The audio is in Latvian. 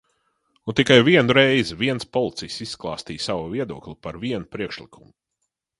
Un tikai vienu reizi viens policists izklāstīja savu viedokli par vienu priekšlikumu.